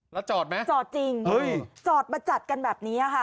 แล้วจอดไหมจอดจริงจอดมาจัดกันแบบนี้ค่ะ